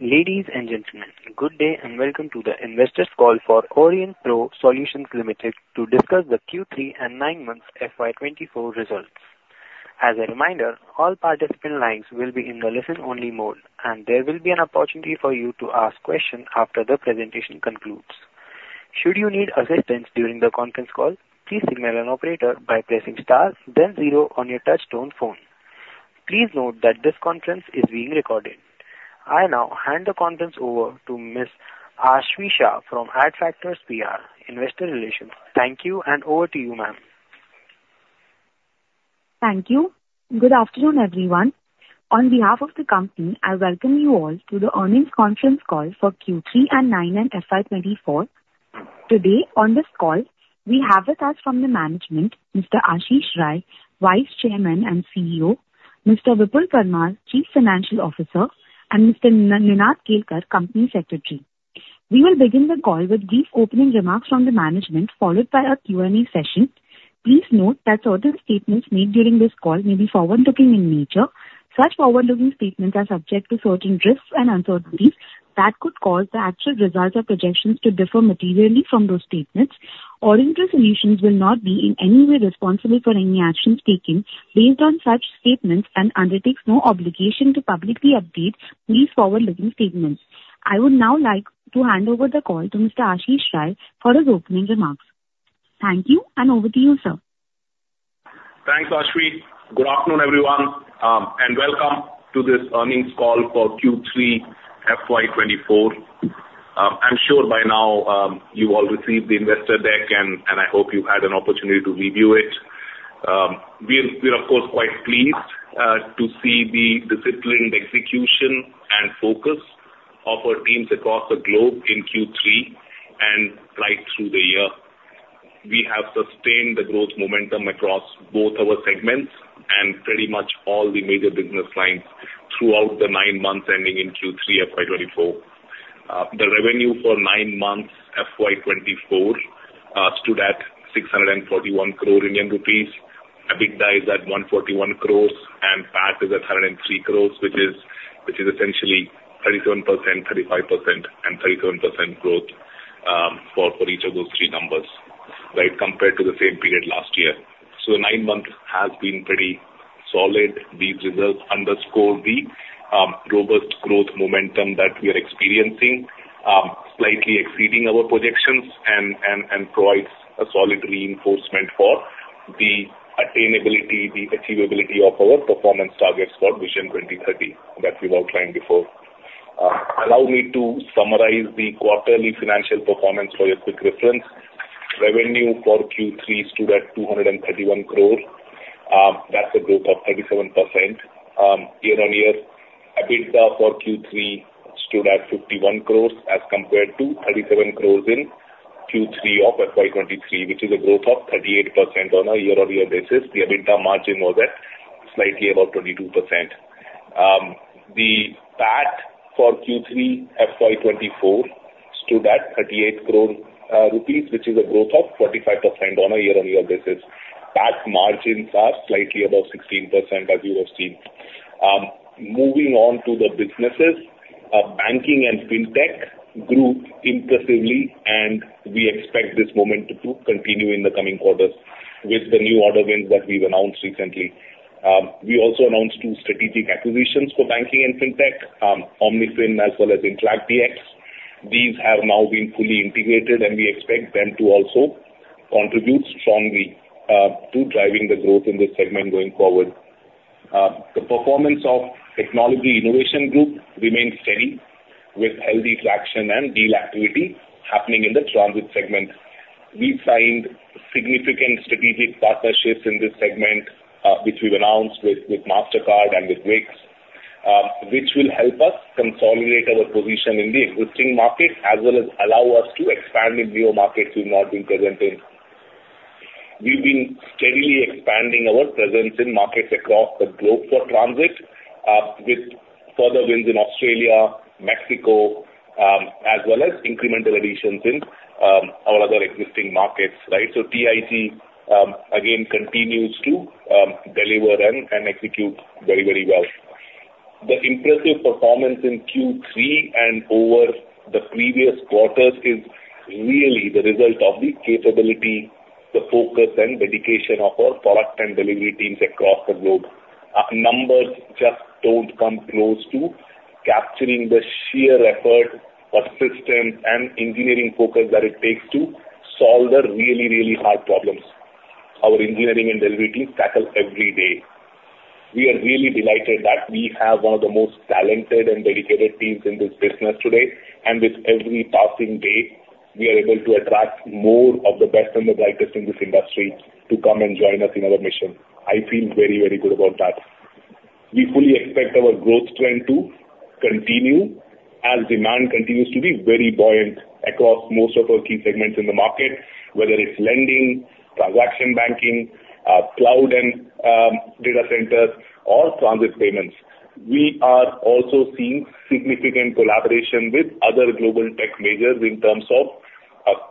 Ladies and gentlemen, good day, and welcome to the Investors Call for Aurionpro Solutions Limited to discuss the Q3 and nine months FY 2024 results. As a reminder, all participant lines will be in the listen-only mode, and there will be an opportunity for you to ask questions after the presentation concludes. Should you need assistance during the conference call, please signal an operator by pressing star then zero on your touchtone phone. Please note that this conference is being recorded. I now hand the conference over to Miss Aashvi Shah from Adfactors PR, Investor Relations. Thank you, and over to you, ma'am. Thank you. Good afternoon, everyone. On behalf of the company, I welcome you all to the Earnings Conference Call for Q3 and Nine-month FY 2024. Today, on this call, we have with us from the management, Mr. Ashish Rai, Vice Chairman and CEO, Mr. Vipul Parmar, Chief Financial Officer, and Mr. Ninad Kelkar, Company Secretary. We will begin the call with brief opening remarks from the management, followed by our Q&A session. Please note that certain statements made during this call may be forward-looking in nature. Such forward-looking statements are subject to certain risks and uncertainties that could cause the actual results or projections to differ materially from those statements. Aurionpro Solutions will not be in any way responsible for any actions taken based on such statements and undertakes no obligation to publicly update these forward-looking statements. I would now like to hand over the call to Mr. Ashish Rai for his opening remarks. Thank you, and over to you, sir. Thanks, Aashvi. Good afternoon, everyone, and welcome to this Earnings Call for Q3 FY 2024. I'm sure by now you've all received the investor deck, and I hope you've had an opportunity to review it. We're, of course, quite pleased to see the disciplined execution and focus of our teams across the globe in Q3 and right through the year. We have sustained the growth momentum across both our segments and pretty much all the major business lines throughout the nine months ending in Q3 FY 2024. The revenue for nine months, FY 2024, stood at 641 crore Indian rupees. EBITDA is at 141 crore, and PAT is at 103 crore, which is essentially 37%, 35%, and 37% growth for each of those three numbers, right, compared to the same period last year. Nine months has been pretty solid. These results underscore the robust growth momentum that we are experiencing, slightly exceeding our projections and provides a solid reinforcement for the attainability, the achievability of our performance targets for Vision 2030 that we've outlined before. Allow me to summarize the quarterly financial performance for your quick reference. Revenue for Q3 stood at 231 crore, that's a growth of 37% year-on-year. EBITDA for Q3 stood at 51 crore, as compared to 37 crore in Q3 of FY 2023, which is a growth of 38% on a year-on-year basis. The EBITDA margin was at slightly above 22%. The PAT for Q3 FY 2024 stood at 38 crore rupees, which is a growth of 45% on a year-over-year basis. PAT margins are slightly above 16%, as you have seen. Moving on to the businesses, banking and Fintech grew impressively, and we expect this momentum to continue in the coming quarters with the new order wins that we've announced recently. We also announced two strategic acquisitions for banking and Fintech, Omnifin as well as Interact DX. These have now been fully integrated, and we expect them to also contribute strongly to driving the growth in this segment going forward. The performance of Technology Innovation Group remains steady, with healthy traction and deal activity happening in the transit segment. We've signed significant strategic partnerships in this segment, which we've announced with, with Mastercard and with Vix, which will help us consolidate our position in the existing markets, as well as allow us to expand in new markets we've not been present in. We've been steadily expanding our presence in markets across the globe for transit, with further wins in Australia, Mexico, as well as incremental additions in, our other existing markets, right? So TIG, again, continues to, deliver and, and execute very, very well. The impressive performance in Q3 and over the previous quarters is really the result of the capability, the focus, and dedication of our product and delivery teams across the globe. Numbers just don't come close to capturing the sheer effort, persistence, and engineering focus that it takes to solve the really, really hard problems our engineering and delivery teams tackle every day. We are really delighted that we have one of the most talented and dedicated teams in this business today, and with every passing day, we are able to attract more of the best and the brightest in this industry to come and join us in our mission. I feel very, very good about that. We fully expect our growth trend to continue as demand continues to be very buoyant across most of our key segments in the market, whether it's lending, transaction banking, cloud and data centers or transit payments. We are also seeing significant collaboration with other global tech majors in terms of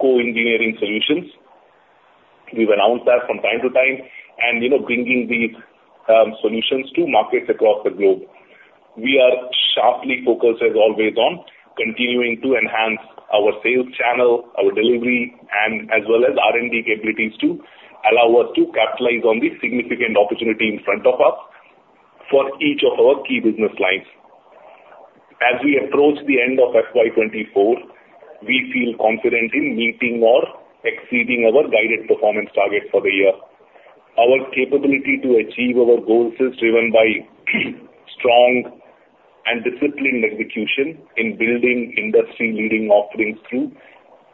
co-engineering solutions. We've announced that from time to time, and, you know, bringing these solutions to markets across the globe. We are sharply focused, as always, on continuing to enhance our sales channel, our delivery, and as well as R&D capabilities to allow us to capitalize on the significant opportunity in front of us for each of our key business lines. As we approach the end of FY 2024, we feel confident in meeting or exceeding our guided performance targets for the year. Our capability to achieve our goals is driven by strong and disciplined execution in building industry-leading offerings through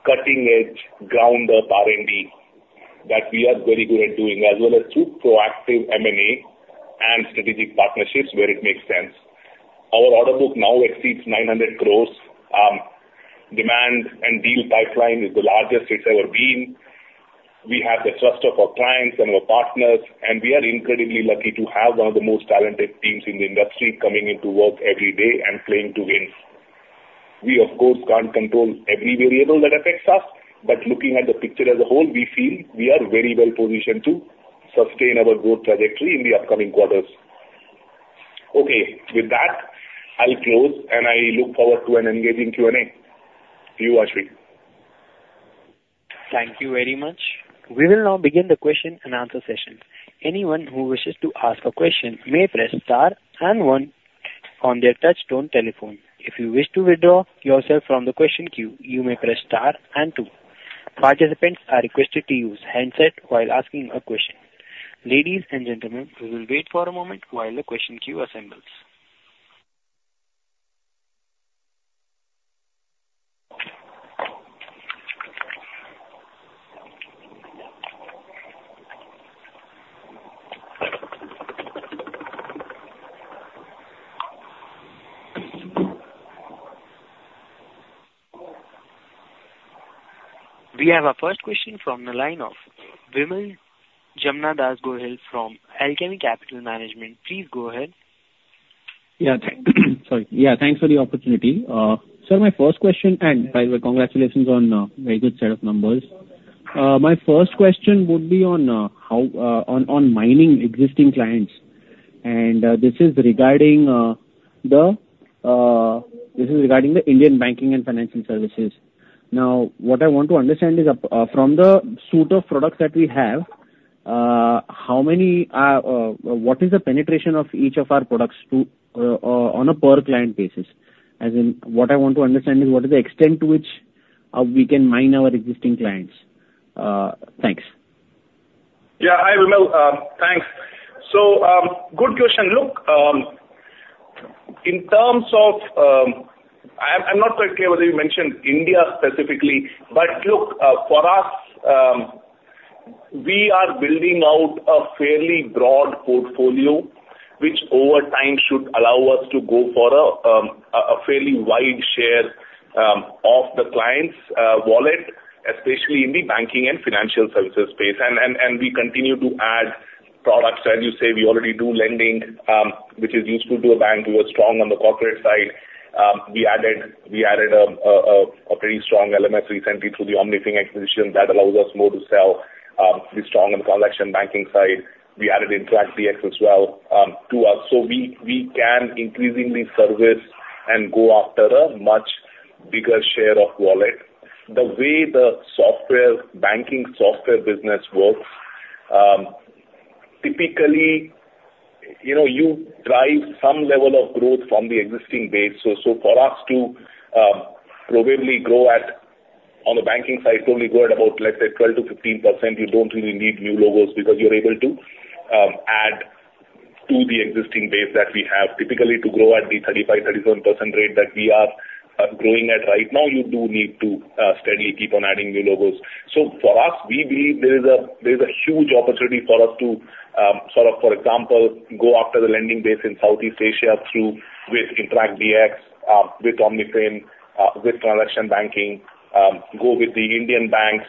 cutting-edge, ground-up R&D, that we are very good at doing, as well as through proactive M&A and strategic partnerships where it makes sense. Our order book now exceeds 900 crores. Demand and deal pipeline is the largest it's ever been. We have the trust of our clients and our partners, and we are incredibly lucky to have one of the most talented teams in the industry coming into work every day and playing to win. We, of course, can't control every variable that affects us, but looking at the picture as a whole, we feel we are very well positioned to sustain our growth trajectory in the upcoming quarters. Okay, with that, I'll close, and I look forward to an engaging Q&A. To you, Aashvi. Thank you very much. We will now begin the question and answer session. Anyone who wishes to ask a question may press star and one on their touch-tone telephone. If you wish to withdraw yourself from the question queue, you may press star and two. Participants are requested to use handset while asking a question. Ladies and gentlemen, we will wait for a moment while the question queue assembles. We have our first question from the line of Vimal Jamnadas Gohil from Alchemy Capital Management. Please go ahead. Yeah. Sorry. Yeah, thanks for the opportunity. So my first question, and by the way, congratulations on very good set of numbers. My first question would be on mining existing clients, and this is regarding the Indian banking and financial services. Now, what I want to understand is from the suite of products that we have, what is the penetration of each of our products on a per-client basis? As in, what I want to understand is what is the extent to which we can mine our existing clients? Thanks. Yeah, hi, Vimal. Thanks. So, good question. Look, in terms of, I'm not quite clear whether you mentioned India specifically, but look, for us, we are building out a fairly broad portfolio, which over time should allow us to go for a fairly wide share of the client's wallet, especially in the banking and financial services space. We continue to add products. As you say, we already do lending, which is useful to a bank. We are strong on the corporate side. We added a pretty strong LMS recently through the Omnifin acquisition that allows us more to sell. We're strong on the transaction banking side. We added Interact DX as well to us. So we can increasingly service and go after a much bigger share of wallet. The way the software, banking software business works, typically, you know, you drive some level of growth from the existing base. So for us to, probably grow at, on the banking side, only grow at about, let's say, 12%-15%, you don't really need new logos because you're able to, add to the existing base that we have. Typically, to grow at the 35%-37% rate that we are, growing at right now, you do need to, steadily keep on adding new logos. So for us, we believe there is a huge opportunity for us to, sort of, for example, go after the lending base in Southeast Asia through with Interact DX, with Omnifin, with transaction banking, go with the Indian banks,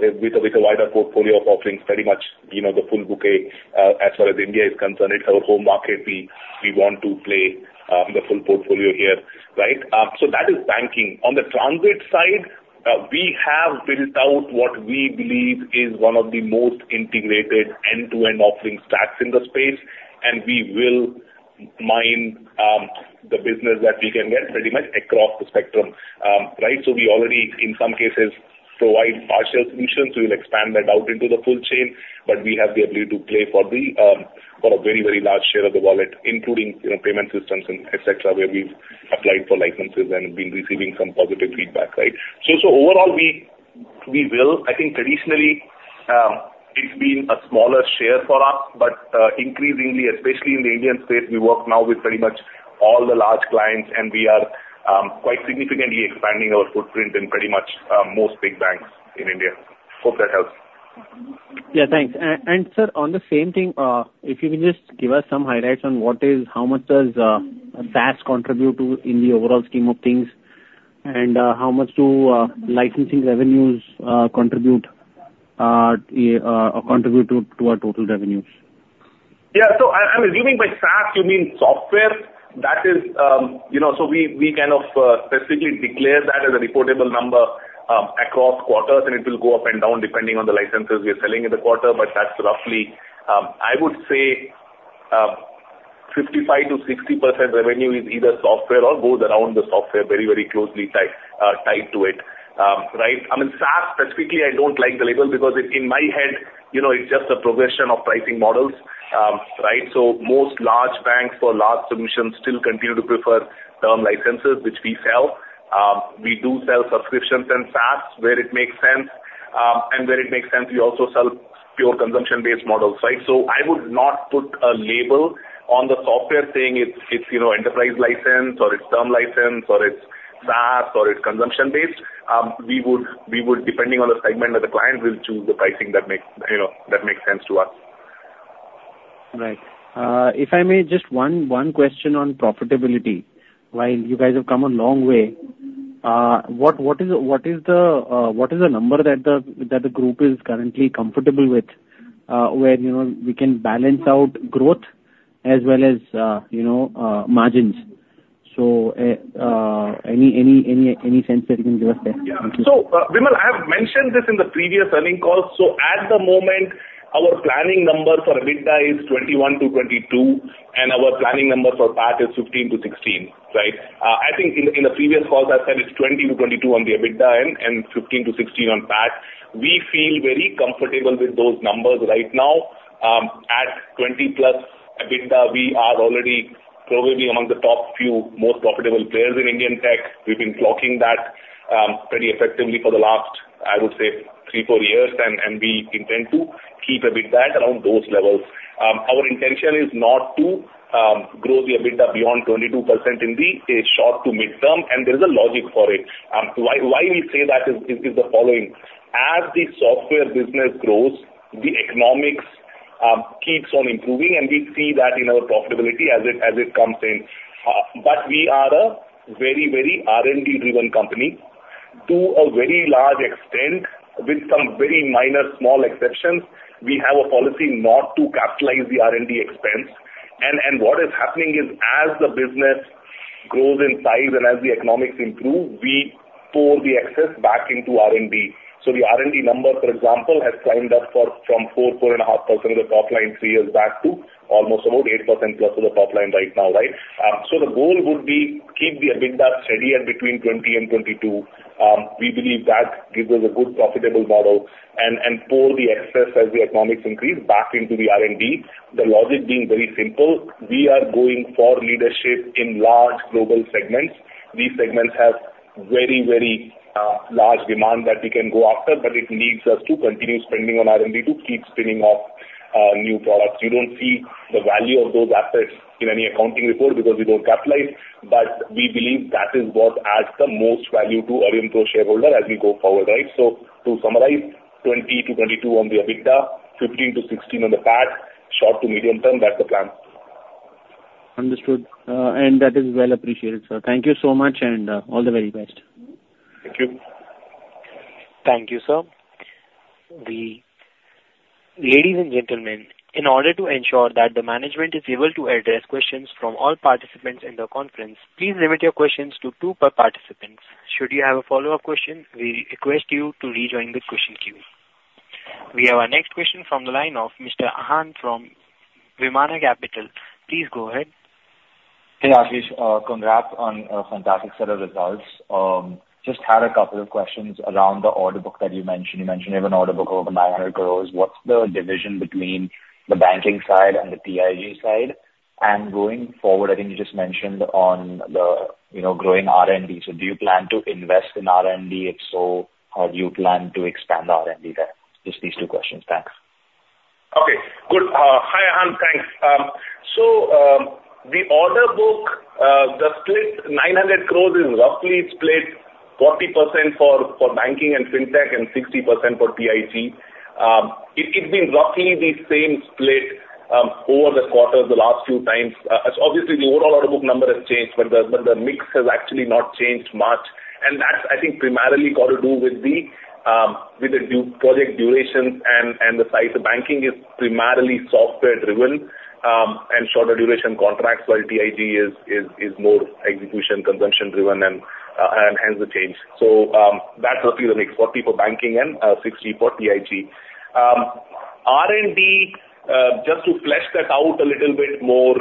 with a wider portfolio of offerings, pretty much, you know, the full bouquet, as far as India is concerned. It's our home market. We want to play the full portfolio here, right? So that is banking. On the transit side, we have built out what we believe is one of the most integrated end-to-end offering stacks in the space, and we will mine the business that we can get pretty much across the spectrum. Right, so we already, in some cases, provide partial solutions. We'll expand that out into the full chain, but we have the ability to play for a very, very large share of the wallet, including, you know, payment systems and et cetera, where we've applied for licenses and been receiving some positive feedback, right? So, overall, we will. I think traditionally, it's been a smaller share for us, but increasingly, especially in the Indian space, we work now with pretty much all the large clients, and we are quite significantly expanding our footprint in pretty much most big banks in India. Hope that helps. Yeah, thanks. And, sir, on the same thing, if you can just give us some highlights on what is, how much does SaaS contribute to in the overall scheme of things? And, how much do licensing revenues contribute to our total revenues? Yeah, so I'm assuming by SaaS, you mean software. That is, you know, so we kind of specifically declare that as a reportable number across quarters, and it will go up and down depending on the licenses we are selling in the quarter. But that's roughly, I would say, 55%-60% revenue is either software or goes around the software very, very closely tied, tied to it. Right. I mean, SaaS, specifically, I don't like the label because it, in my head, you know, it's just a progression of pricing models. Right? So most large banks for large submissions still continue to prefer term licenses, which we sell. We do sell subscriptions and SaaS where it makes sense, and where it makes sense, we also sell pure consumption-based models, right? So I would not put a label on the software saying it's you know enterprise license or it's term license or it's SaaS or it's consumption-based. We would, depending on the segment of the client, will choose the pricing that, you know, makes sense to us. Right. If I may, just one question on profitability. While you guys have come a long way, what is the number that the group is currently comfortable with, where you know we can balance out growth as well as you know margins? Any sense that you can give us there? Thank you. Yeah. So, Vimal, I have mentioned this in the previous earnings calls. So at the moment, our planning number for EBITDA is 21%-22%, and our planning number for PAT is 15%-16%, right? I think in the previous calls, I said it's 20%-22% on the EBITDA end and 15%-16% on PAT. We feel very comfortable with those numbers right now. At 20%+ EBITDA, we are already probably among the top few most profitable players in Indian tech. We've been clocking that pretty effectively for the last, I would say, three, four years, and we intend to keep EBITDA around those levels. Our intention is not to grow the EBITDA beyond 22% in the short to mid-term, and there is a logic for it. Why we say that is the following: As the software business grows, the economics keeps on improving, and we see that in our profitability as it comes in. But we are a very, very R&D-driven company. To a very large extent, with some very minor small exceptions, we have a policy not to capitalize the R&D expense. And what is happening is, as the business grows in size and as the economics improve, we pull the excess back into R&D. So the R&D number, for example, has climbed up from 4.5% of the top line three years back to almost about 8%+ of the top line right now, right? So the goal would be keep the EBITDA steady and between 20%-22%. We believe that gives us a good, profitable model and pull the excess as the economics increase back into the R&D. The logic being very simple, we are going for leadership in large global segments. These segments have very, very large demand that we can go after, but it needs us to continue spending on R&D to keep spinning off new products. You don't see the value of those assets in any accounting report because we don't capitalize, but we believe that is what adds the most value to Aurionpro shareholder as we go forward, right? So to summarize, 20%-22% on the EBITDA, 15%-16% on the PAT, short to medium term, that's the plan. Understood. And that is well appreciated, sir. Thank you so much, and all the very best. Thank you. Thank you, sir. Ladies and gentlemen, in order to ensure that the management is able to address questions from all participants in the conference, please limit your questions to two per participant. Should you have a follow-up question, we request you to rejoin the question queue. We have our next question from the line of Mr. Ahan from Vimana Capital. Please go ahead. Hey, Ashish. Congrats on a fantastic set of results. Just had a couple of questions around the order book that you mentioned. You mentioned you have an order book over 900 crore. What's the division between the banking side and the TIG side? And going forward, I think you just mentioned on the, you know, growing R&D. So do you plan to invest in R&D? If so, do you plan to expand the R&D there? Just these two questions. Thanks. Okay, good. Hi, Ahan. Thanks. So, the order book, the split 900 crore is roughly split 40% for banking and Fintech and 60% for TIG. It's been roughly the same split over the quarter the last few times. Obviously, the overall order book number has changed, but the mix has actually not changed much, and that's, I think, primarily got to do with the due to project durations and the size of banking is primarily software driven and shorter duration contracts, while TIG is more execution, consumption driven and hence the change. So, that's roughly the mix, 40% for banking and 60% for TIG. R&D, just to flesh that out a little bit more,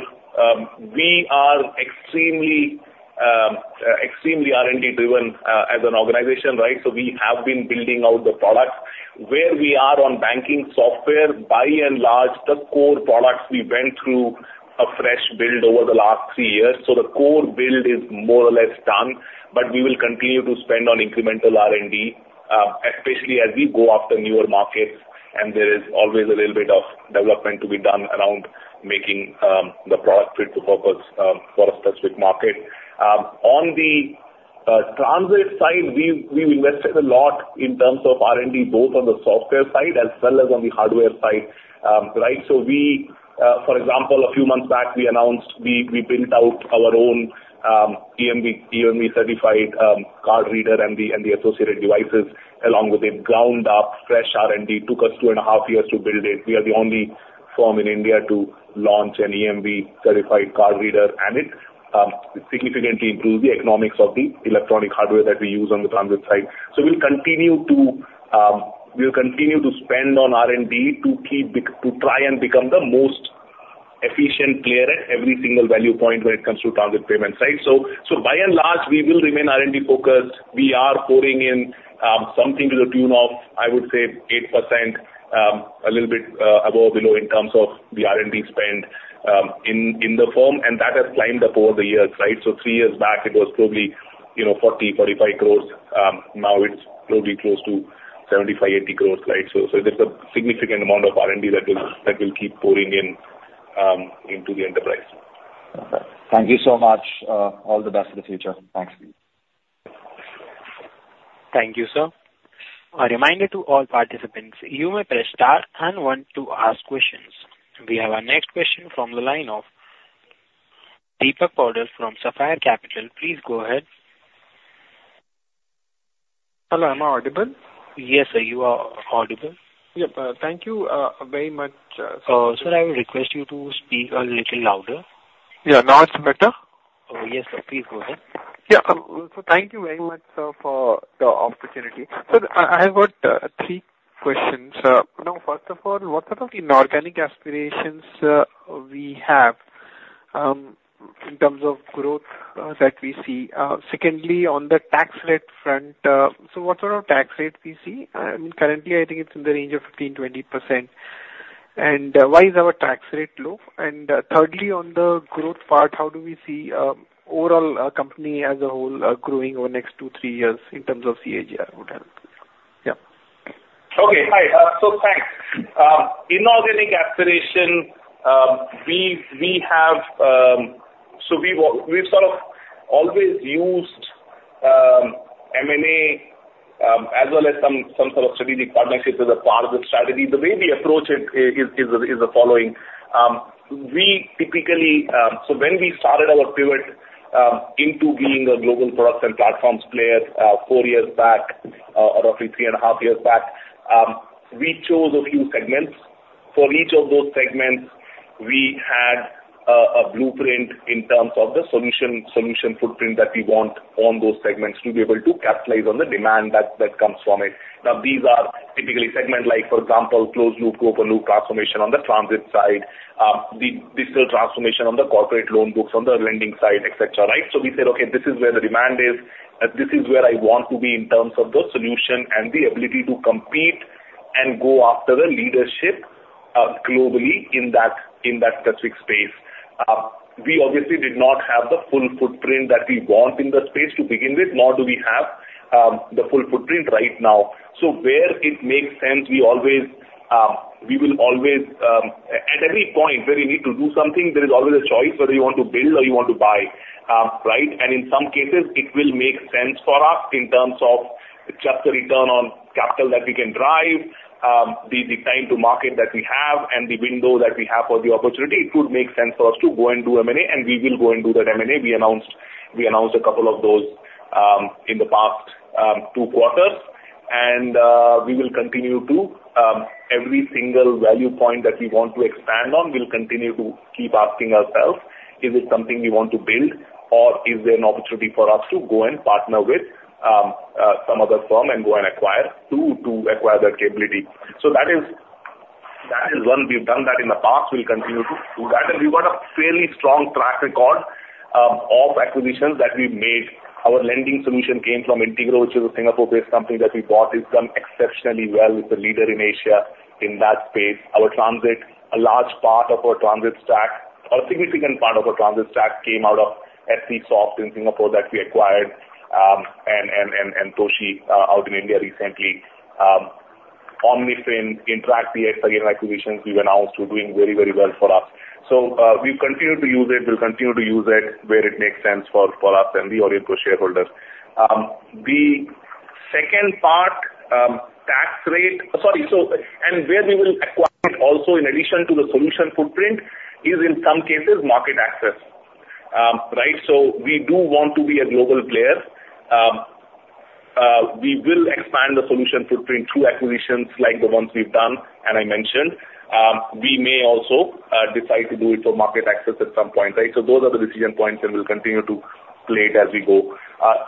we are extremely, extremely R&D driven, as an organization, right? So we have been building out the products. Where we are on banking software, by and large, the core products, we went through a fresh build over the last three years. So the core build is more or less done, but we will continue to spend on incremental R&D, especially as we go after newer markets, and there is always a little bit of development to be done around making the product fit to purpose, for a specific market. On the transit side, we've invested a lot in terms of R&D, both on the software side as well as on the hardware side. Right. So, for example, a few months back, we announced we built out our own EMV-certified card reader and the associated devices, along with a ground-up fresh R&D. It took us 2.5 years to build it. We are the only firm in India to launch an EMV-certified card reader, and it significantly improves the economics of the electronic hardware that we use on the transit side. So we'll continue to spend on R&D to keep being the most efficient player at every single value point when it comes to the transit payment side. So by and large, we will remain R&D focused. We are pouring in something to the tune of, I would say, 8%, a little bit above or below in terms of the R&D spend in the firm, and that has climbed up over the years, right? So three years back, it was probably, you know, 40 crores-45 crores. Now it's probably close to 75 crores-80 crores, right? So there's a significant amount of R&D that will keep pouring in into the enterprise. Okay. Thank you so much. All the best for the future. Thanks. Thank you, sir. A reminder to all participants, you may press star and one to ask questions. We have our next question from the line of Deepak Poddar from Sapphire Capital. Please go ahead. Hello, am I audible? Yes, sir, you are audible. Yep, thank you very much. Sir, I will request you to speak a little louder. Yeah, now it's better? Yes, sir, please go ahead. Yeah. So thank you very much, sir, for the opportunity. Sir, I, I have got three questions. Now, first of all, what sort of inorganic aspirations we have in terms of growth that we see? Secondly, on the tax rate front, so what sort of tax rate we see? Currently, I think it's in the range of 15%-20%. Why is our tax rate low? Thirdly, on the growth part, how do we see overall company as a whole growing over the next two to three years in terms of CAGR, I would have. Yeah. Okay. Hi, so thanks. Inorganic aspiration, we have. So we've sort of always used M&A, as well as some sort of strategic partnerships as a part of the strategy. The way we approach it is the following: we typically, so when we started our pivot into being a global products and platforms player, four years back, or roughly three and a half years back, we chose a few segments. For each of those segments, we had a blueprint in terms of the solution footprint that we want on those segments to be able to capitalize on the demand that comes from it. Now, these are typically segments, like, for example, closed loop to open loop transformation on the transit side, the digital transformation on the corporate loan books, on the lending side, et cetera, right? So we said, "Okay, this is where the demand is, and this is where I want to be in terms of the solution and the ability to compete and go after the leadership, globally in that, in that specific space." We obviously did not have the full footprint that we want in the space to begin with, nor do we have the full footprint right now. So where it makes sense, we always, we will always, at every point where you need to do something, there is always a choice, whether you want to build or you want to buy, right? In some cases, it will make sense for us in terms of just the return on capital that we can drive, the time to market that we have and the window that we have for the opportunity. It would make sense for us to go and do M&A, and we will go and do that M&A. We announced, we announced a couple of those, in the past two quarters, and we will continue to. Every single value point that we want to expand on, we'll continue to keep asking ourselves, "Is this something we want to build, or is there an opportunity for us to go and partner with some other firm and go and acquire that capability?" So that is, that is one. We've done that in the past. We'll continue to do that. We've got a fairly strong track record of acquisitions that we've made. Our lending solution came from Integro Technologies, which is a Singapore-based company that we bought. It's done exceptionally well. It's a leader in Asia in that space. Our transit, a large part of our transit stack, or a significant part of our transit stack, came out of SC Soft in Singapore that we acquired, and Toshi out in India recently. Omnifin, Interact DX, again, acquisitions we've announced are doing very, very well for us. So, we've continued to use it. We'll continue to use it where it makes sense for us and the Aurionpro shareholders. The second part, tax rate. Sorry, so, and where we will acquire it also in addition to the solution footprint is, in some cases, market access. Right? We do want to be a global player. We will expand the solution footprint through acquisitions like the ones we've done and I mentioned. We may also decide to do it for market access at some point, right? So those are the decision points, and we'll continue to play it as we go.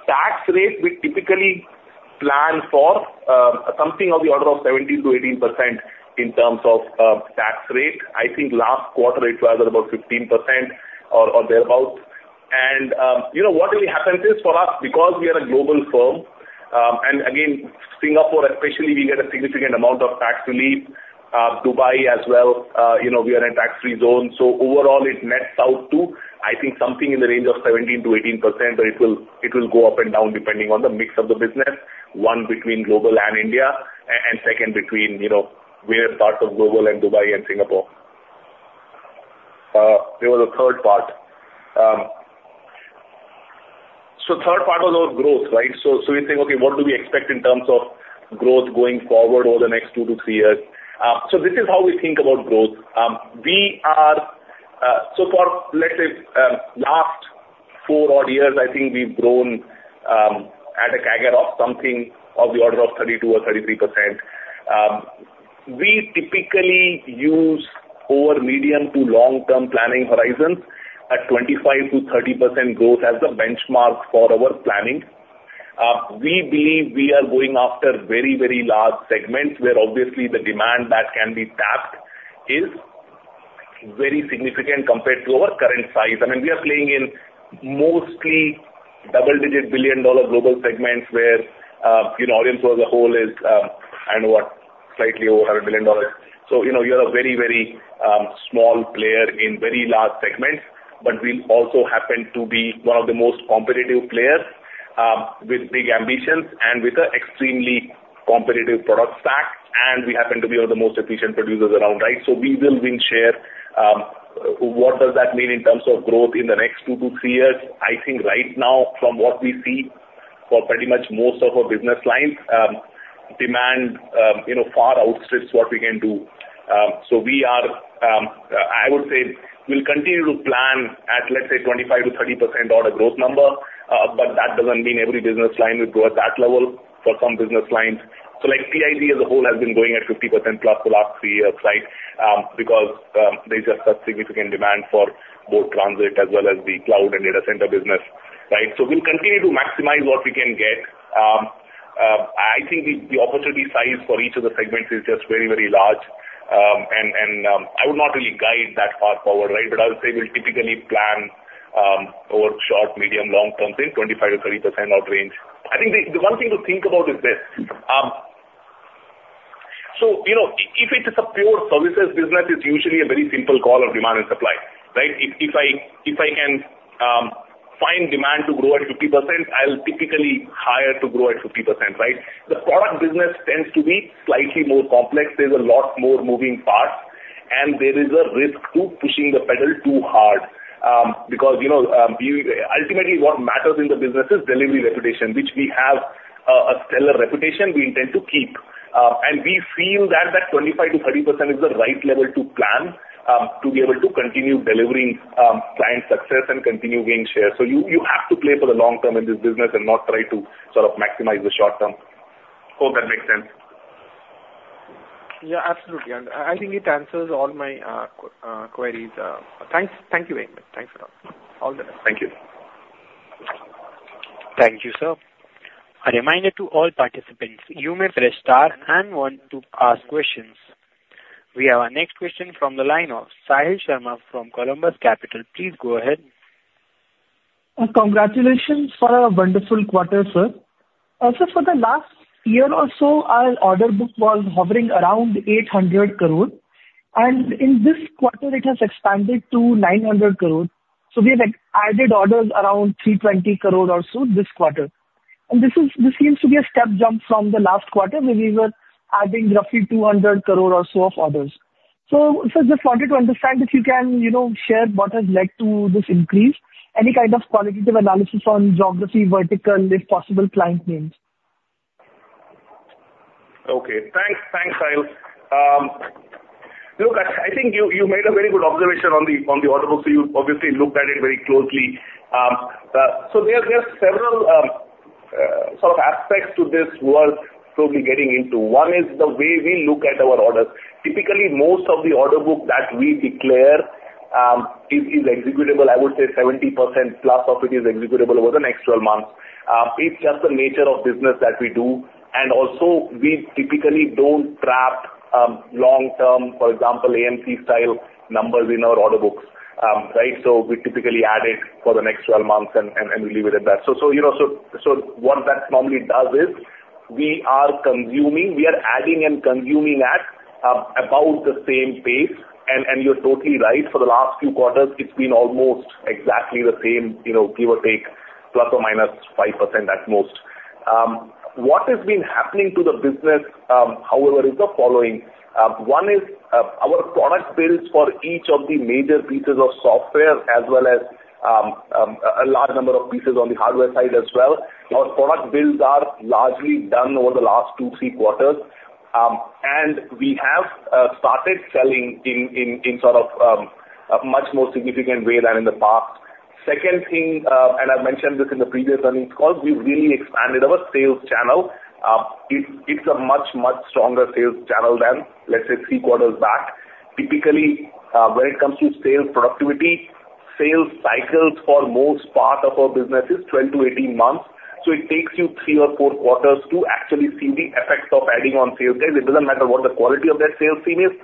Tax rate, we typically plan for something of the order of 17%-18% in terms of tax rate. I think last quarter it was about 15% or thereabout. You know, what really happens is for us, because we are a global firm, and again, Singapore especially, we get a significant amount of tax relief, Dubai as well, you know, we are in a tax-free zone. So overall, it nets out to, I think, something in the range of 17%-18%, but it will go up and down depending on the mix of the business, one, between global and India, and second, between, you know, various parts of global and Dubai and Singapore. There was a third part. So third part was our growth, right? So you're saying, okay, what do we expect in terms of growth going forward over the next two to three years? So this is how we think about growth. We are so for, let's say, last four odd years, I think we've grown at a CAGR of something of the order of 32% or 33%. We typically use over medium to long-term planning horizons at 25%-30% growth as a benchmark for our planning. We believe we are going after very, very large segments, where obviously the demand that can be tapped is very significant compared to our current size. I mean, we are playing in mostly double-digit billion-dollar global segments, where, you know, Aurionpro as a whole is slightly over $1 billion. So, you know, you're a very, very small player in very large segments, but we also happen to be one of the most competitive players with big ambitions and with an extremely competitive product stack, and we happen to be one of the most efficient producers around, right? So we will win share. What does that mean in terms of growth in the next two to three years? I think right now, from what we see, for pretty much most of our business lines, demand, you know, far outstrips what we can do. So we are, I would say we'll continue to plan at, let's say, 25%-30% order growth number, but that doesn't mean every business line will grow at that level for some business lines. So, like, TIG as a whole has been growing at 50%+ for the last three years, right? Because, there's just a significant demand for both transit as well as the cloud and data center business, right? So we'll continue to maximize what we can get. I think the opportunity size for each of the segments is just very, very large. And I would not really guide that far forward, right? But I would say we'll typically plan over short, medium, long term in 25%-30% odd range. I think the one thing to think about is this, so, you know, if it is a pure services business, it's usually a very simple call of demand and supply, right? If I can find demand to grow at 50%, I'll typically hire to grow at 50%, right? The product business tends to be slightly more complex. There's a lot more moving parts, and there is a risk to pushing the pedal too hard. Because, you know, ultimately, what matters in the business is delivery reputation, which we have, a stellar reputation we intend to keep. We feel that that 25%-30% is the right level to plan, to be able to continue delivering, client success and continue gaining share. So you, you have to play for the long term in this business and not try to sort of maximize the short term. Hope that makes sense. Yeah, absolutely. I think it answers all my queries. Thanks. Thank you very much. Thanks for that. All the best. Thank you. Thank you, sir. A reminder to all participants, you may press star and one to ask questions. We have our next question from the line of Sahil Sharma from Columbus Capital. Please go ahead. Congratulations for a wonderful quarter, sir. Also, for the last year or so, our order book was hovering around 800 crore, and in this quarter it has expanded to 900 crore. So we have, like, added orders around 320 crore or so this quarter. And this is, this seems to be a step jump from the last quarter, where we were adding roughly 200 crore or so of orders. So just wanted to understand if you can, you know, share what has led to this increase. Any kind of qualitative analysis on geography, vertical, and, if possible, client names? Okay. Thanks. Thanks, Sahil. Look, I think you made a very good observation on the order book, so you obviously looked at it very closely. So there are several sort of aspects to this worth totally getting into. One is the way we look at our orders. Typically, most of the order book that we declare is executable. I would say 70% plus of it is executable over the next 12 months. It's just the nature of business that we do, and also we typically don't trap long term, for example, AMC-style numbers in our order books. Right? So we typically add it for the next 12 months and we leave it at that. So, you know, what that normally does is we are adding and consuming at about the same pace. And you're totally right. For the last few quarters, it's been almost exactly the same, you know, give or take, ±5% at most. What has been happening to the business, however, is the following: One is our product builds for each of the major pieces of software, as well as a large number of pieces on the hardware side as well. Our product builds are largely done over the last two, three quarters. And we have started selling in sort of a much more significant way than in the past. Second thing, and I've mentioned this in the previous earnings call, we've really expanded our sales channel. It's a much, much stronger sales channel than, let's say, three quarters back. Typically, when it comes to sales productivity, sales cycles for most part of our business is 12-18 months. So it takes you three or four quarters to actually see the effects of adding on sales team. It doesn't matter what the quality of that sales team is,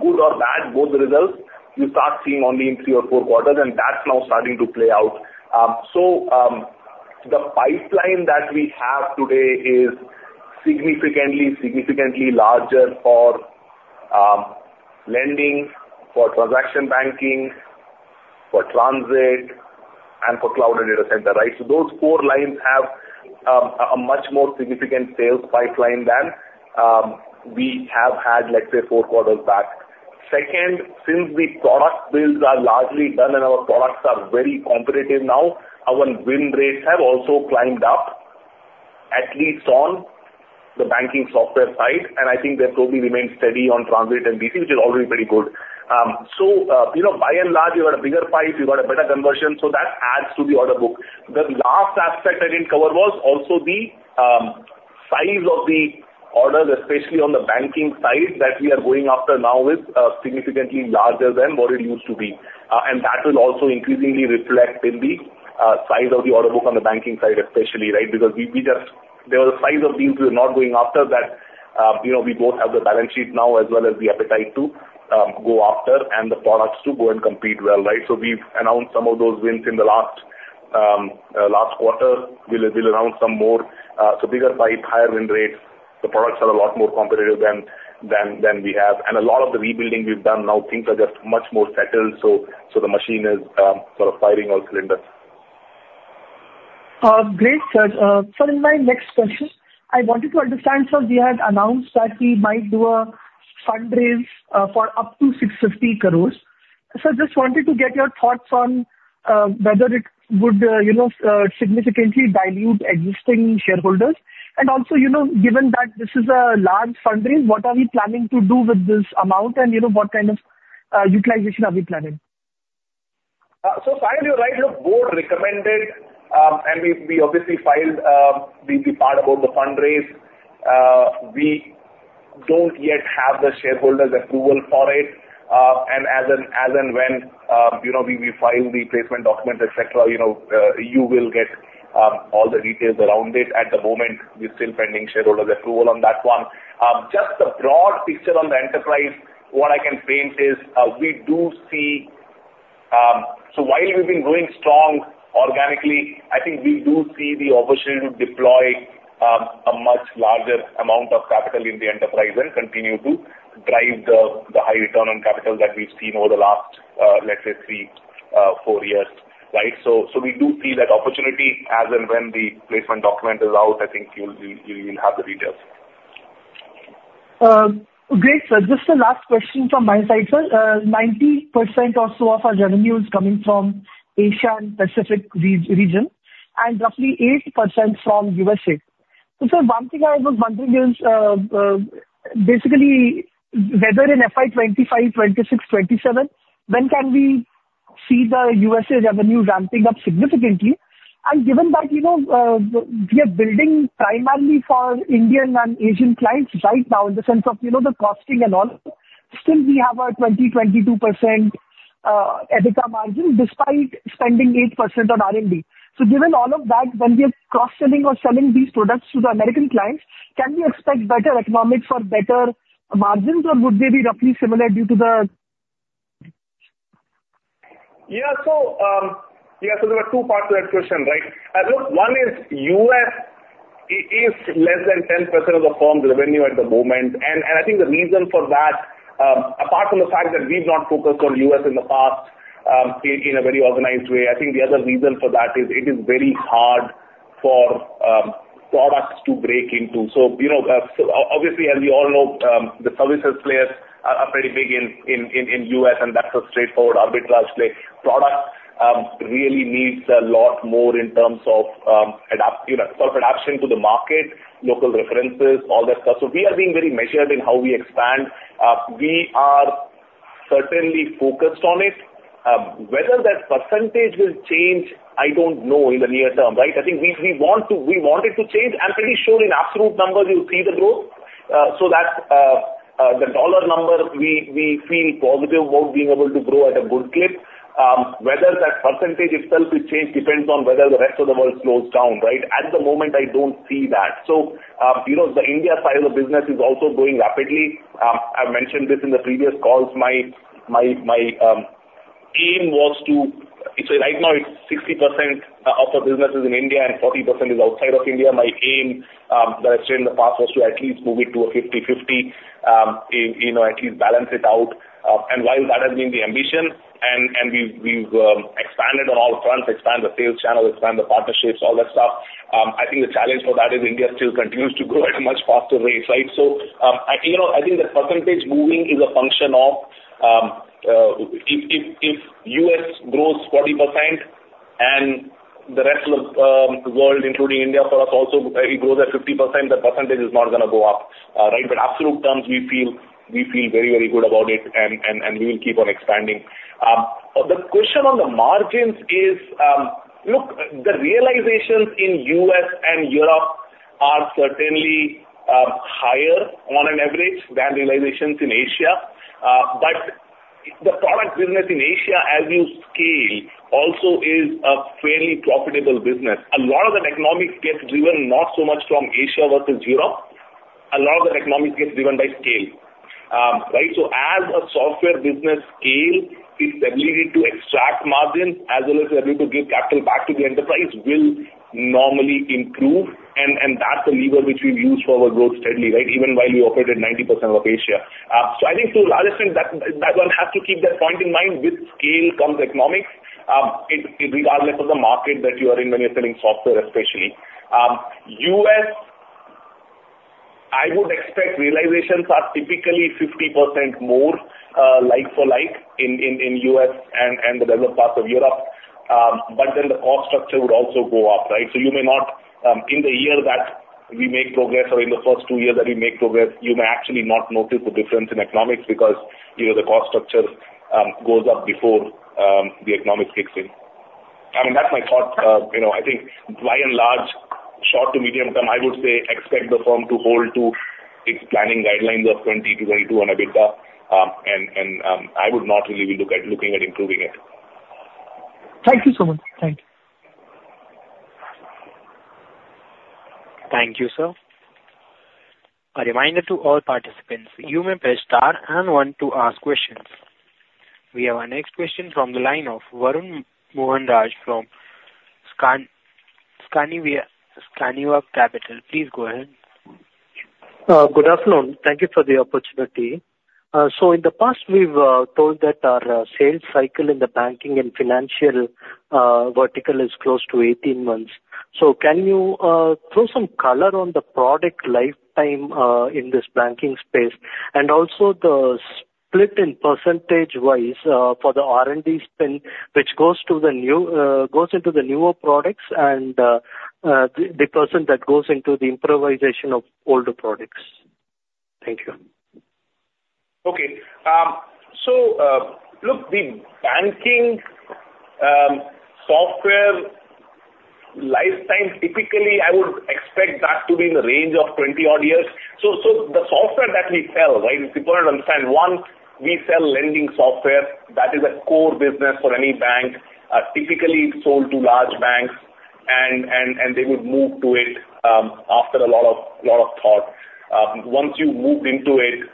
good or bad, both the results, you start seeing only in three or four quarters, and that's now starting to play out. So, the pipeline that we have today is significantly, significantly larger for, lending, for transaction banking, for transit, and for cloud and data center, right? So those four lines have, a much more significant sales pipeline than, we have had, let's say, four quarters back. Second, since the product builds are largely done and our products are very competitive now, our win rates have also climbed up, at least on the banking software side, and I think they probably remain steady on transit and DC, which is already pretty good. So, you know, by and large, you've got a bigger pipe, you've got a better conversion, so that adds to the order book. The last aspect I didn't cover was also the size of the orders, especially on the banking side, that we are going after now is significantly larger than what it used to be. And that will also increasingly reflect in the size of the order book on the banking side, especially, right? Because we just— There were size of deals we were not going after that, you know, we both have the balance sheet now as well as the appetite to go after and the products to go and compete well, right? So we've announced some of those wins in the last quarter. We'll announce some more. So bigger pipe, higher win rates, the products are a lot more competitive than we have. And a lot of the rebuilding we've done now, things are just much more settled, so the machine is sort of firing on cylinders. Great, sir. Sir, in my next question, I wanted to understand, sir, we had announced that we might do a fundraise for up to 650 crores. Sir, just wanted to get your thoughts on whether it would, you know, significantly dilute existing shareholders. And also, you know, given that this is a large fundraise, what are we planning to do with this amount, and, you know, what kind of utilization are we planning? So finally, you're right. Look, board recommended, and we obviously filed the part about the fundraise. We don't yet have the shareholder's approval for it. And as and when, you know, we file the placement document, et cetera, you know, you will get all the details around it. At the moment, we're still pending shareholder approval on that one. Just a broad picture on the enterprise, what I can paint is, we do see. So while we've been growing strong organically, I think we do see the opportunity to deploy a much larger amount of capital in the enterprise and continue to drive the high return on capital that we've seen over the last, let's say, three and four years, right? So we do see that opportunity. As and when the placement document is out, I think you'll have the details. Great, sir. Just the last question from my side, sir. 90% or so of our revenue is coming from Asia-Pacific region, and roughly 8% from U.S.A. So, sir, one thing I was wondering is, basically, whether in FY 2025, 2026, 2027, when can we see the U.S.A. revenue ramping up significantly? And given that, you know, we are building primarily for Indian and Asian clients right now, in the sense of, you know, the costing and all, still we have a 22%, uh, EBITDA margin, despite spending 8% on R&D. So given all of that, when we are cross-selling or selling these products to the American clients, can we expect better economics or better margins, or would they be roughly similar. Yeah, so, yeah, so there are two parts to that question, right? Look, one is U.S. is less than 10% of the firm's revenue at the moment. And I think the reason for that, apart from the fact that we've not focused on U.S. in the past, in a very organized way, I think the other reason for that is it is very hard for products to break into. So, you know, so obviously, as we all know, the services players are pretty big in U.S., and that's a straightforward arbitrage play. Product really needs a lot more in terms of adapt, you know, self-adaptation to the market, local references, all that stuff. So we are being very measured in how we expand. We are certainly focused on it. Whether that percentage will change, I don't know, in the near term, right? I think we, we want to, we want it to change. I'm pretty sure in absolute numbers, you'll see the growth. So that, the dollar number, we, we feel positive about being able to grow at a good clip. Whether that percentage itself will change, depends on whether the rest of the world slows down, right? At the moment, I don't see that. So, you know, the India side of the business is also growing rapidly. I've mentioned this in the previous calls. Aim was to. So right now, it's 60% of the business is in India and 40% is outside of India. My aim, that I said in the past, was to at least move it to a 50/50. You know, at least balance it out. And while that has been the ambition, we've expanded on all fronts, expanded the sales channel, expanded the partnerships, all that stuff. I think the challenge for that is India still continues to grow at a much faster rate, right? So, I, you know, I think the percentage moving is a function of if U.S. grows 40% and the rest of the world, including India, for us also, it grows at 50%, the percentage is not gonna go up, right? But absolute terms, we feel very, very good about it, and we will keep on expanding. The question on the margins is, look, the realizations in U.S. and Europe are certainly higher on an average than realizations in Asia. But the product business in Asia, as you scale, also is a fairly profitable business. A lot of the economics gets driven not so much from Asia versus Europe. A lot of the economics gets driven by scale. Right? So as a software business scale, its ability to extract margins as well as ability to give capital back to the enterprise will normally improve, and, and that's a lever which we've used for our growth steadily, right? Even while we operate at 90% of Asia. So I think to a large extent, that, that one has to keep that point in mind, with scale comes economics, regardless of the market that you are in, when you're selling software, especially. U.S., I would expect realizations are typically 50% more, like for like in the U.S. and the developed parts of Europe, but then the cost structure would also go up, right? So you may not, in the year that we make progress or in the first two years that we make progress, you may actually not notice the difference in economics because, you know, the cost structure goes up before the economics kicks in. I mean, that's my thought. You know, I think by and large, short to medium term, I would say expect the firm to hold to its planning guidelines of 20%-22% on EBITDA, and I would not really be looking at improving it. Thank you so much. Thank you. Thank you, sir. A reminder to all participants, you may press star and one to ask questions. We have our next question from the line of Varun Mohanraj from Skaniva Capital. Please go ahead. Good afternoon. Thank you for the opportunity. So in the past, we've told that our sales cycle in the banking and financial vertical is close to 18 months. So can you throw some color on the product lifetime in this banking space? And also the split in percentage-wise for the R&D spend, which goes into the newer products and the percent that goes into the improvisation of older products. Thank you. Okay. Look, the banking software lifetime, typically, I would expect that to be in the range of 20-odd years. So the software that we sell, right? It's important to understand, one, we sell lending software. That is a core business for any bank. Typically, it's sold to large banks and they would move to it after a lot of thought. Once you've moved into it,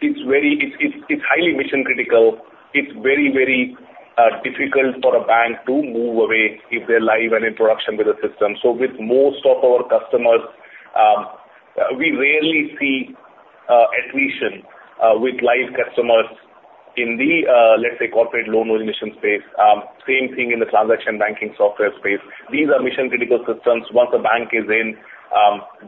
it's very. It's highly mission-critical. It's very, very difficult for a bank to move away if they're live and in production with the system. So with most of our customers, we rarely see attrition with live customers in the, let's say, corporate loan origination space. Same thing in the transaction banking software space. These are mission-critical systems. Once a bank is in,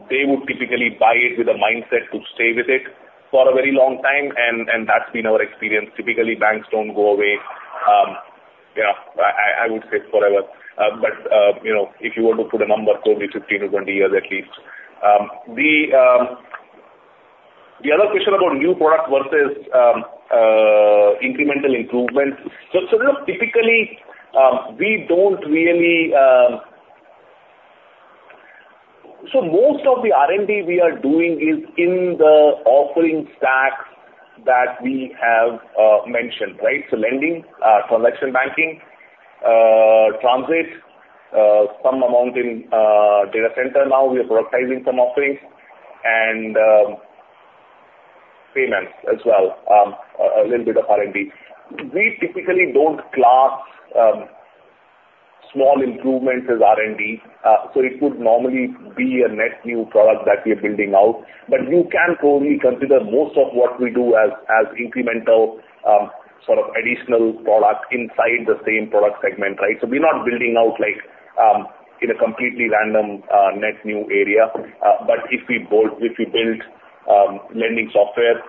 they would typically buy it with a mindset to stay with it for a very long time, and that's been our experience. Typically, banks don't go away, yeah, I would say forever. But you know, if you want to put a number, probably 15-20 years at least. The other question about new product versus incremental improvements. So most of the R&D we are doing is in the offering stacks that we have mentioned, right? So lending, transaction banking, transit, some amount in data center. Now, we are productizing some offerings and payments as well, a little bit of R&D. We typically don't class small improvements as R&D. So it would normally be a net new product that we are building out. But you can probably consider most of what we do as incremental, sort of additional product inside the same product segment, right? So we're not building out like, in a completely random, net new area. But if we build lending software,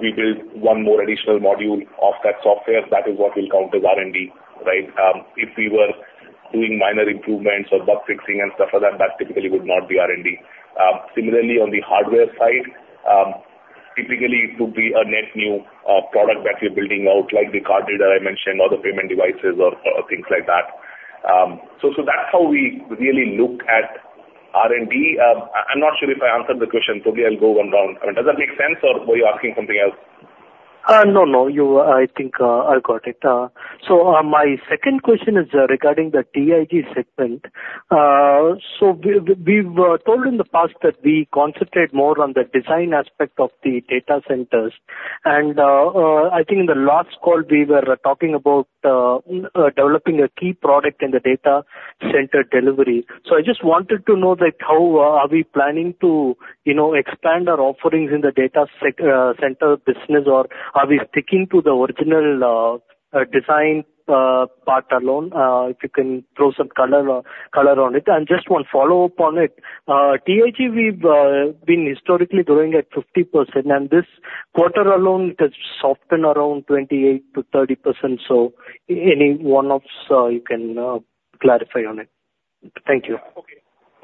we build one more additional module of that software, that is what we'll count as R&D, right? If we were doing minor improvements or bug fixing and stuff like that, that typically would not be R&D. Similarly, on the hardware side, typically it would be a net new product that we're building out, like the card reader I mentioned or the payment devices or things like that. So that's how we really look at R&D. I'm not sure if I answered the question. Probably I'll go one round. I mean, does that make sense, or were you asking something else? No, no, you, I think I got it. So, my second question is regarding the TIG segment. So we've told in the past that we concentrate more on the design aspect of the data centers. And, I think in the last call, we were talking about developing a key product in the data center delivery. So I just wanted to know, like, how are we planning to, you know, expand our offerings in the data center business, or are we sticking to the original design part alone? If you can throw some color on it. And just one follow-up on it. TIG, we've been historically growing at 50%, and this quarter alone, it has softened around 28%-30%. Any one of you can clarify on it. Thank you. Okay.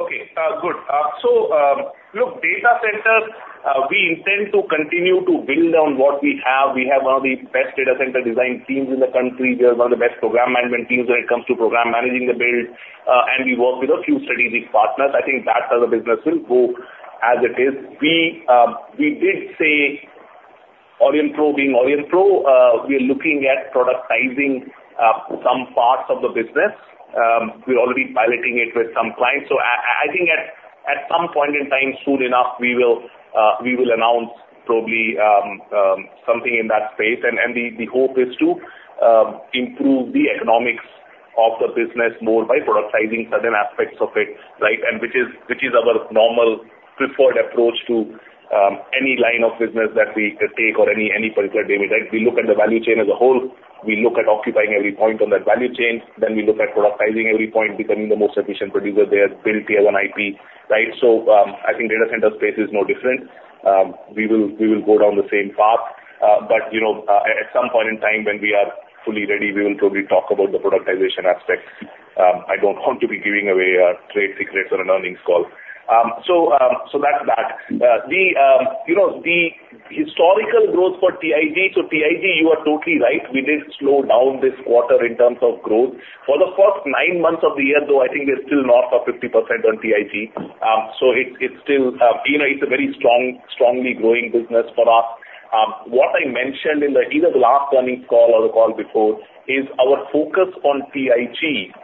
Okay, good. So, look, data centers, we intend to continue to build on what we have. We have one of the best data center design teams in the country. We have one of the best program management teams when it comes to program managing the build. And we work with a few strategic partners. I think that side of the business will go as it is. We, we did say Aurionpro being Aurionpro, we are looking at productizing some parts of the business. We're already piloting it with some clients. So I think at some point in time, soon enough, we will announce probably something in that space. And the hope is to improve the economics of the business more by productizing certain aspects of it, right? And which is, which is our normal preferred approach to, any line of business that we take or any, any particular domain, right? We look at the value chain as a whole. We look at occupying every point on that value chain, then we look at productizing every point, becoming the most efficient producer there, build tier one IP, right? So, I think data center space is no different. We will, we will go down the same path, but, you know, at, at some point in time when we are fully ready, we will probably talk about the productization aspects. I don't want to be giving away our trade secrets on an earnings call. So, so that's that. The, you know, the historical growth for TIG, so TIG, you are totally right. We did slow down this quarter in terms of growth. For the first nine months of the year, though, I think we're still north of 50% on TIG. So it's, it's still, you know, it's a very strong, strongly growing business for us. What I mentioned in the, either the last earnings call or the call before, is our focus on TIG,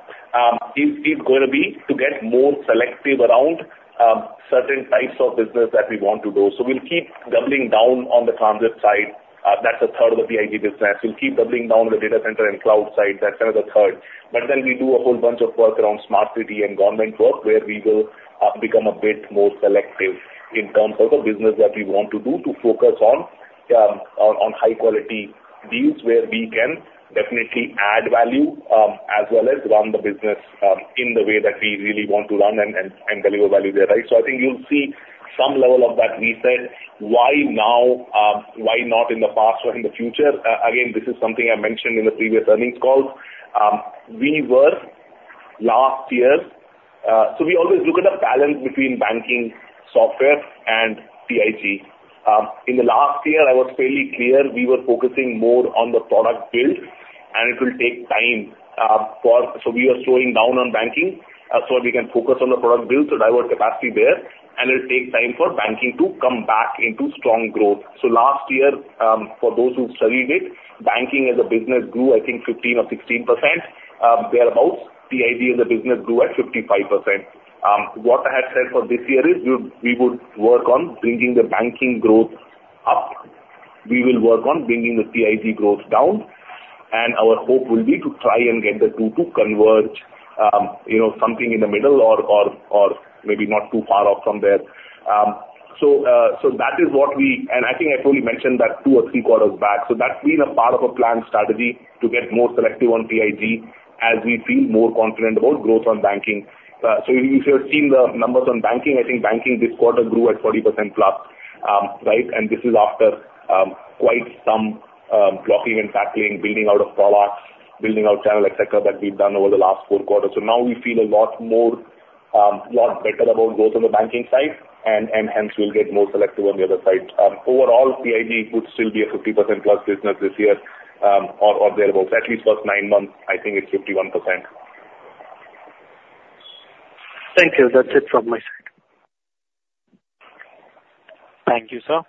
is, is gonna be to get more selective around, certain types of business that we want to do. So we'll keep doubling down on the transit side. That's a third of the TIG business. We'll keep doubling down on the data center and cloud side. That's another third. But then we do a whole bunch of work around smart city and government work, where we will become a bit more selective in terms of the business that we want to do, to focus on high quality deals where we can definitely add value, as well as run the business in the way that we really want to run and deliver value there, right? So I think you'll see some level of that reset. Why now? Why not in the past or in the future? Again, this is something I mentioned in the previous earnings calls. We were, last year. So we always look at a balance between banking, software, and TIG. In the last year, I was fairly clear, we were focusing more on the product build, and it will take time. So we are slowing down on banking, so we can focus on the product build, so divert capacity there, and it'll take time for banking to come back into strong growth. So last year, for those who studied it, banking as a business grew, I think 15% or 16%, thereabout. TIG as a business grew at 55%. What I had said for this year is we would work on bringing the banking growth up. We will work on bringing the TIG growth down, and our hope will be to try and get the two to converge, you know, something in the middle or, or, or maybe not too far off from there. So that is what we, and I think I probably mentioned that two or three quarters back. So that's been a part of a planned strategy to get more selective on TIG as we feel more confident about growth on banking. So if you have seen the numbers on banking, I think banking this quarter grew at 40%+, right? And this is after quite some blocking and tackling, building out of products, building out channel, et cetera, that we've done over the last four quarters. So now we feel a lot more a lot better about growth on the banking side and hence we'll get more selective on the other side. Overall, TIG would still be a 50%+ business this year, or thereabout. At least first nine months, I think it's 51%. Thank you. That's it from my side. Thank you, sir.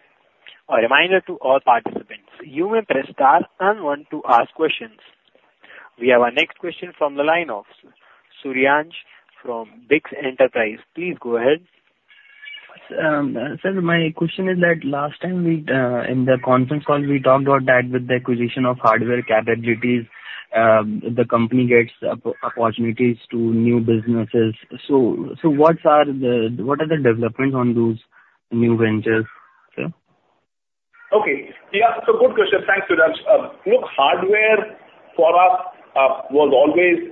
A reminder to all participants, you may press star and one to ask questions. We have our next question from the line of Suryansh from BizX Enterprise. Please go ahead. Sir, my question is that last time we in the conference call, we talked about that with the acquisition of hardware capabilities, the company gets opportunities to new businesses. So, what are the developments on those new ventures, sir? Okay. Yeah, it's a good question. Thanks, Suryansh. Look, hardware for us was always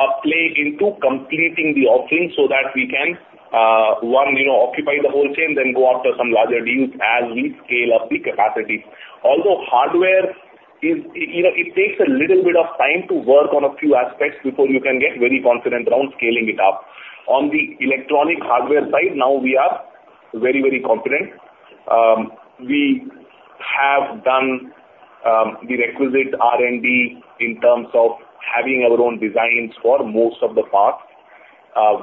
a play into completing the offering so that we can, you know, occupy the whole chain, then go after some larger deals as we scale up the capacity. Although hardware is, you know, it takes a little bit of time to work on a few aspects before you can get very confident around scaling it up. On the electronic hardware side, now we are very, very confident. We have done the requisite R&D in terms of having our own designs for most of the parts.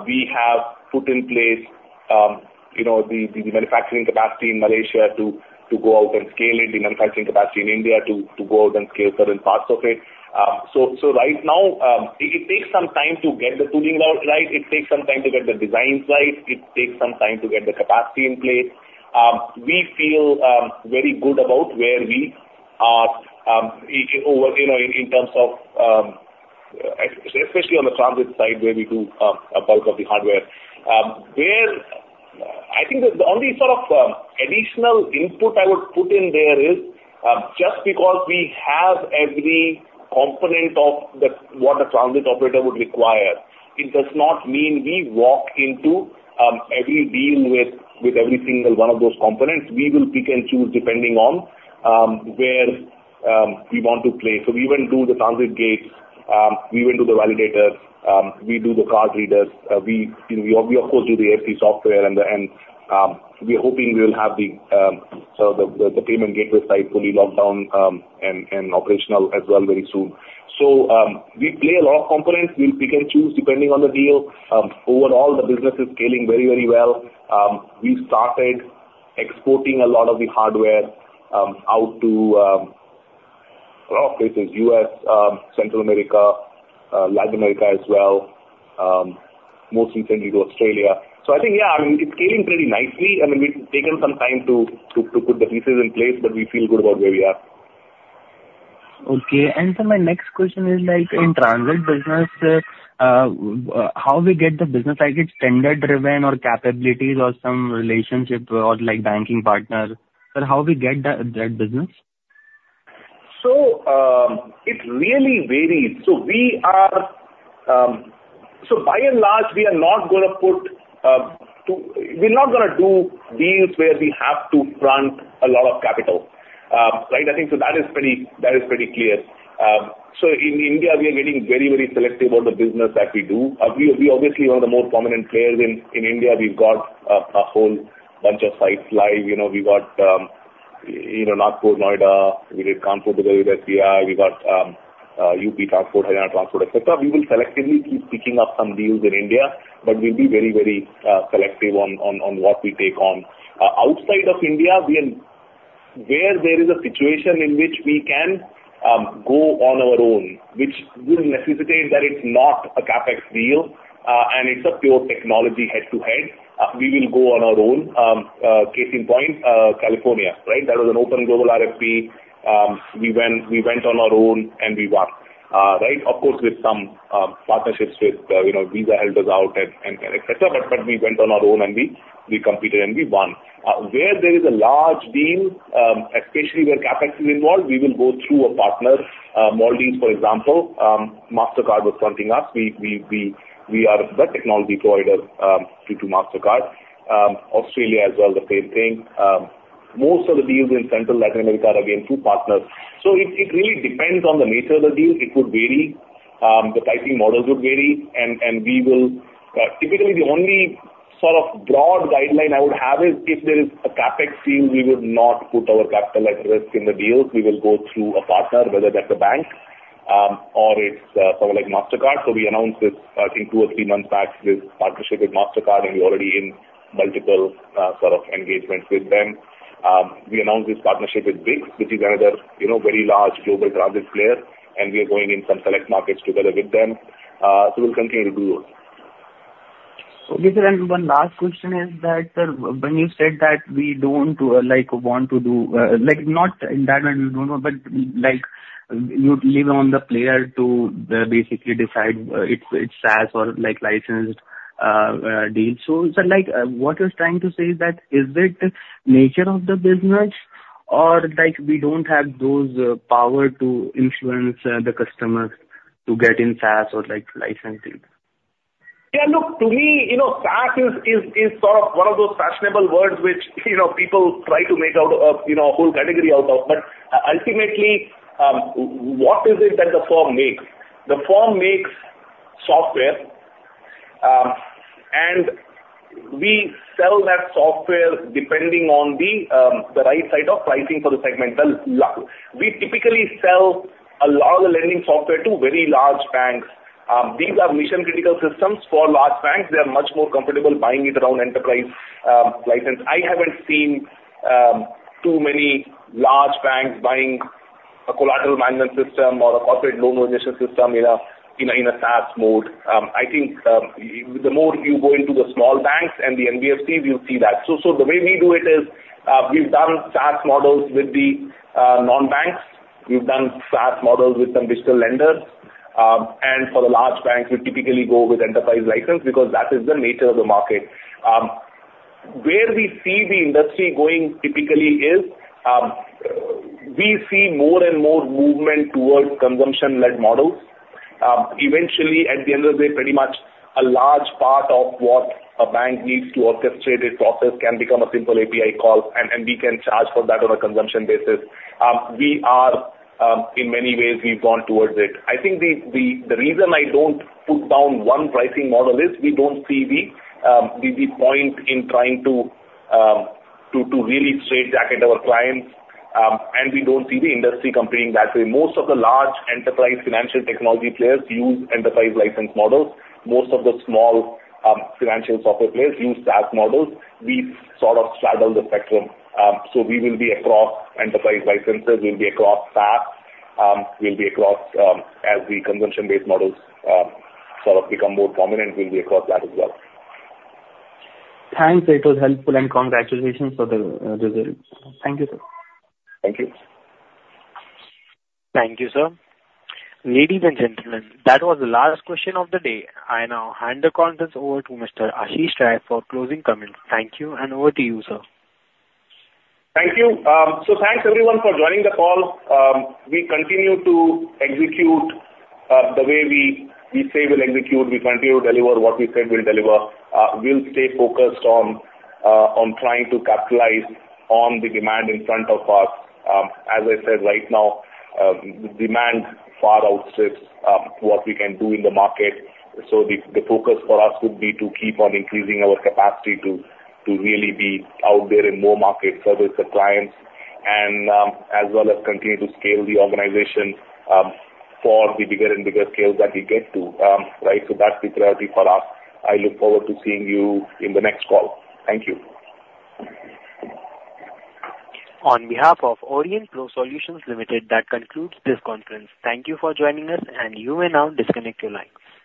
We have put in place, you know, the manufacturing capacity in Malaysia to go out and scale it, the manufacturing capacity in India to go out and scale certain parts of it. So right now, it takes some time to get the tooling out right. It takes some time to get the designs right. It takes some time to get the capacity in place. We feel very good about where we are, you know, in terms of, especially on the transit side, where we do a bulk of the hardware. I think the only sort of additional input I would put in there is, just because we have every component of what a transit operator would require, it does not mean we walk into every deal with every single one of those components. We will pick and choose depending on where we want to play. So we even do the transit gates, we even do the validators, we do the card readers. You know, we of course do the AFC software, and we are hoping we will have the payment gateway side fully locked down, and operational as well very soon. So we play a lot of components. We'll pick and choose depending on the deal. Overall, the business is scaling very, very well. We started exporting a lot of the hardware out to a lot of places, U.S., Central America, Latin America as well, most recently to Australia. So I think, yeah, I mean, it's scaling pretty nicely. I mean, we've taken some time to put the pieces in place, but we feel good about where we are. Okay. And sir, my next question is like, in transit business, how we get the business? Like, it's tender-driven or capabilities or some relationship or like banking partner. Sir, how we get that, that business? So, it really varies. So we are, so by and large, we are not gonna put, we're not gonna do deals where we have to put a lot of capital. Right? I think so that is pretty, that is pretty clear. So in India, we are getting very, very selective about the business that we do. We obviously are one of the more prominent players in India. We've got a whole bunch of sites live. You know, we've got, you know, Nagpur, Noida, we did transport with AFC, we got UP Transport, Haryana Transport, et cetera. We will selectively keep picking up some deals in India, but we'll be very, very selective on what we take on. Outside of India, we are where there is a situation in which we can go on our own, which will necessitate that it's not a CapEx deal, and it's a pure technology head-to-head, we will go on our own. Case in point, California, right? That was an open global RFP. We went, we went on our own and we won. Right? Of course, with some partnerships with, you know, Visa helped us out and, and et cetera. But, but we went on our own and we, we competed and we won. Where there is a large deal, especially where CapEx is involved, we will go through a partner. Maldives, for example, Mastercard was fronting us. We, we, we, we are the technology provider, due to Mastercard. Australia as well, the same thing. Most of the deals in Central America and Latin America are again, through partners. So it really depends on the nature of the deal. It could vary. The pricing models would vary, and we will typically. The only sort of broad guideline I would have is if there is a CapEx deal, we would not put our capital at risk in the deals. We will go through a partner, whether that's a bank, or it's someone like Mastercard. So we announced this, I think two or three months back, this partnership with Mastercard, and we're already in multiple sort of engagements with them. We announced this partnership with Vix, which is another, you know, very large global transit player, and we are going in some select markets together with them. So we'll continue to do that. Okay, sir, and one last question is that, sir, when you said that we don't, like, want to do, like, not in that way we don't know, but, like, you leave it on the player to, basically decide, it's, it's SaaS or, like, licensed deal. So, sir, like, what you're trying to say is that, is it nature of the business or, like, we don't have those, power to influence, the customers to get in SaaS or, like, licensing? Yeah, look, to me, you know, SaaS is sort of one of those fashionable words which, you know, people try to make out a whole category out of. But ultimately, what is it that the firm makes? The firm makes software, and we sell that software depending on the right side of pricing for the. We typically sell a lot of the lending software to very large banks. These are mission-critical systems for large banks. They are much more comfortable buying it around enterprise license. I haven't seen too many large banks buying a collateral management system or a corporate loan origination system in a SaaS mode. I think the more you go into the small banks and the NBFCs, you'll see that. So, the way we do it is, we've done SaaS models with the non-banks. We've done SaaS models with some digital lenders. For the large banks, we typically go with enterprise license because that is the nature of the market. Where we see the industry going typically is, we see more and more movement towards consumption-led models. Eventually, at the end of the day, pretty much a large part of what a bank needs to orchestrate its process can become a simple API call, and we can charge for that on a consumption basis. We are, in many ways, we've gone towards it. I think the reason I don't put down one pricing model is we don't see the point in trying to really straitjacket our clients, and we don't see the industry competing that way. Most of the large enterprise financial technology players use enterprise license models. Most of the small financial software players use SaaS models. We sort of straddle the spectrum. So we will be across enterprise licenses, we'll be across SaaS, we'll be across, as the consumption-based models sort of become more prominent, we'll be across that as well. Thanks, it was helpful, and congratulations for the results. Thank you, sir. Thank you. Thank you, sir. Ladies and gentlemen, that was the last question of the day. I now hand the conference over to Mr. Ashish Rai for closing comments. Thank you, and over to you, sir. Thank you. So thanks, everyone, for joining the call. We continue to execute, the way we, we say we'll execute. We continue to deliver what we said we'll deliver. We'll stay focused on, on trying to capitalize on the demand in front of us. As I said, right now, demand far outstrips, what we can do in the market. So the focus for us would be to keep on increasing our capacity to really be out there in more markets, service the clients, and, as well as continue to scale the organization, for the bigger and bigger scale that we get to. Right? So that's the priority for us. I look forward to seeing you in the next call. Thank you. On behalf of Aurionpro Solutions Limited, that concludes this conference. Thank you for joining us, and you may now disconnect your lines.